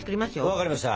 分かりました！